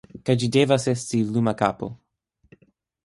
Kaj ĝi devas esti luma kapo.